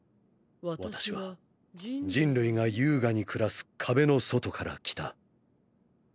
私は人類が優雅に暮らす壁の外から来た。